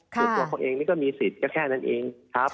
คุณตัวเขาเองนี่ก็มีสิทธิ์ก็แค่นั้นเอง